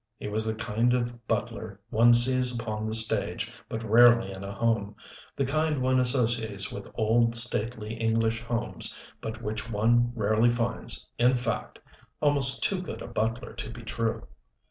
He was the kind of butler one sees upon the stage but rarely in a home, the kind one associates with old, stately English homes but which one rarely finds in fact almost too good a butler to be true.